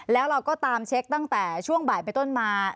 แล้วเราก็ตามเช็คตั้งแต่ช่วงบ่ายไปต้นมา